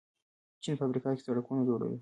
چین په افریقا کې سړکونه جوړوي.